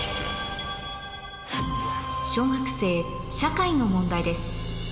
小学生社会の問題です